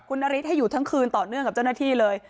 คุณนฤทธิให้อยู่ทั้งคืนต่อเนื่องกับเจ้าหน้าที่เลย